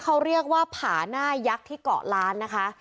เขาเรียกว่าผาหน้ายักษ์ที่เกาะล้านนะคะ